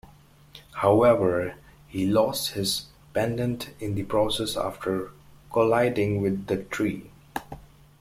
However, he lost his pendant in the process after colliding with a tree.